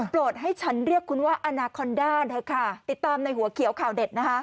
ให้ฉันเรียกคุณว่าอนาคอนด้าเถอะค่ะติดตามในหัวเขียวข่าวเด็ดนะคะ